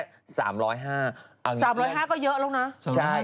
๓๐๕๐๕ก็เยอะแล้วนะ